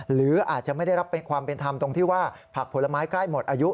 หรืออาจจะไม่ได้รับความเป็นธรรมตรงที่ว่าผักผลไม้ใกล้หมดอายุ